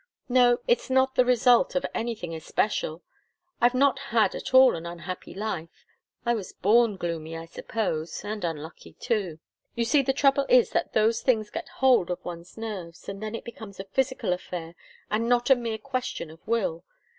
"No it's not the result of anything especial. I've not had at all an unhappy life. I was born gloomy, I suppose and unlucky, too. You see the trouble is that those things get hold of one's nerves, and then it becomes a physical affair and not a mere question of will.